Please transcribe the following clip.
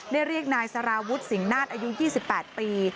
เรียกนายสารวุฒิสิงหนาศอายุ๒๘ปี